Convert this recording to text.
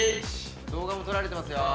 動画も撮られてますよ。